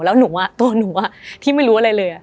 แล้วหนูตัวหนูที่ไม่รู้อะไรเลย